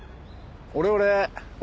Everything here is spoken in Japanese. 俺俺！